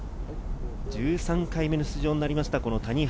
１３回目の出場になりました谷原。